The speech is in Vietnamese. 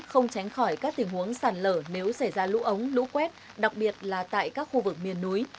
không tránh khỏi các tình huống sản lở nếu xảy ra lũ ống lũ quét đặc biệt là tại các khu vực miền núi